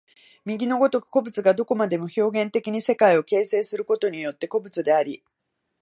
右の如く個物がどこまでも表現的に世界を形成することによって個物であり、